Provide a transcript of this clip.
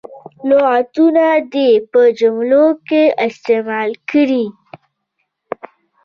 لغتونه دې په جملو کې استعمال کړي.